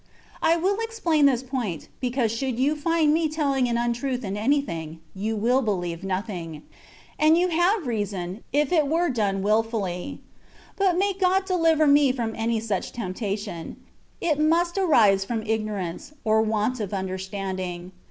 I will explain this point, because should you find me telling an imtruth in anything, you will believe nothing ; and you would have reason, if it were done wUfuUy. But may God deUver me from any such temptation — ^it must arise from ignorance, or want of understanding.